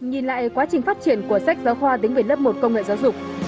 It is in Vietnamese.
nhìn lại quá trình phát triển của sách giáo khoa tính viện lớp một công nghệ giáo dục